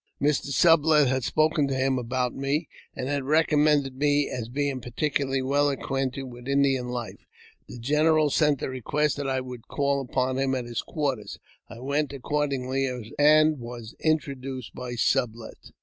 Mr. Sublet had spoken to him about me, and had recommended me as being particu larly well acquainted with Indian life. The general sent a request that I would call upon him at his quarters. I went accordingly, and was introduced by Sublet.